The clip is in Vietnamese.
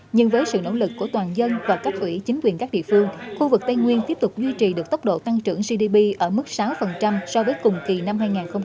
nhưng với sự nỗ lực của toàn dân và cấp ủy chính quyền các địa phương khu vực tây nguyên tiếp tục duy trì được tốc độ tăng trưởng gdp ở mức sáu so với cùng kỳ năm hai nghìn hai mươi ba